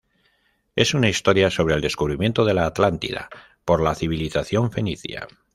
Es una historia sobre el descubrimiento de la Atlántida por la civilización fenicia.